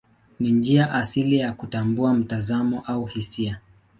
Ni njia asili ya kutambua mtazamo au hisia.